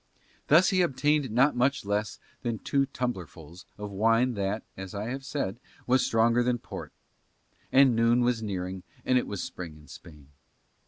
Thus he obtained not much less than two tumblerfuls of wine that, as I have said, was stronger than port; and noon was nearing and it was spring in Spain.